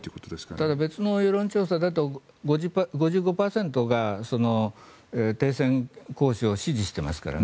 ただ、別の世論調査だと５５％が停戦交渉を支持してしますからね。